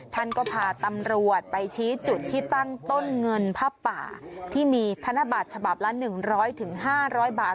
ท่านก็พาตำรวจไปชี้จุดที่ตั้งต้นเงินผ้าป่าที่มีธนบัตรฉบับละ๑๐๐๕๐๐บาท